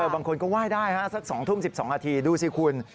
บางคนก็ไหว้ได้สัก๒ทุ่ม๑๒นาทีดูสิคุณ